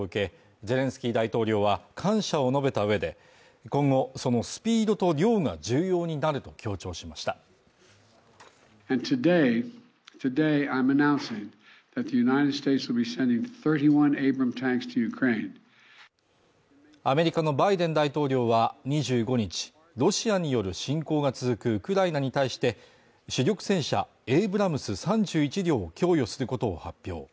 ゼレンスキー大統領は感謝を述べたうえで今後そのスピードと量が重要になると強調しましたアメリカのバイデン大統領は２５日ロシアによる侵攻が続くウクライナに対して主力戦車エイブラムス３１両を供与することを発表